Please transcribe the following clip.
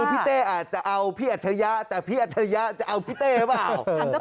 พี่เต้อาจจะเอาพี่อัจฉริยะแต่พี่อัจฉริยะจะเอาพี่เต้หรือเปล่า